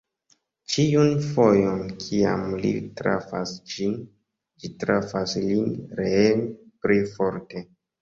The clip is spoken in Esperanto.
Ĉiun fojon, kiam li trafas ĝin, ĝi trafas lin reen pli forte.